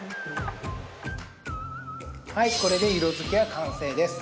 はいこれで色付けは完成です